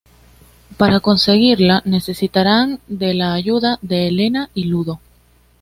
Para conseguirla necesitarán de la ayuda de Elena y Ludo.